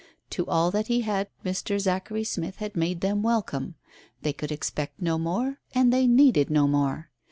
To all that he had Mr. Zachary Smith had made them welcome; they could expect no more, they needed no more.